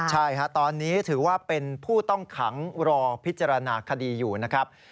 ใช่ครับตอนนี้ถือว่าเป็นผู้ต้องขังรอพิจารณาคดีอยู่นะครับ